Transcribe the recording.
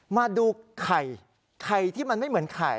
มาดูไข่ไข่ที่มันไม่เหมือนไข่